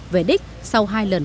về đích sau hai lần lỡ hẹn